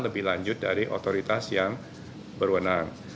lebih lanjut dari otoritas yang berwenang